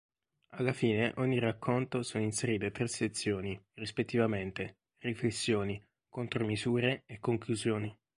Alla fine ogni racconto sono inserite tre sezioni, rispettivamente: Riflessioni, Contromisure e Conclusioni.